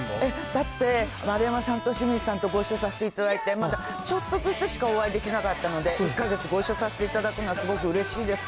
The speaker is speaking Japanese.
だって、丸山さんと清水さんとご一緒させていただいて、まだちょっとずつしかお会いできなかったので、１か月ご一緒させていただくのはすごくうれしいです。